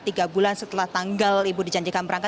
tiga bulan setelah tanggal ibu dijanjikan berangkat